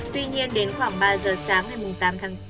tuy nhiên đến khoảng ba giờ sáng ngày tám tháng bốn